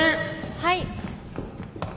はい。